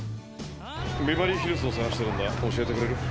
ビバリーヒルズを探してるんだ教えてくれる？